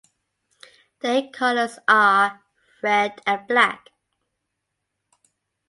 Their colors are red and black.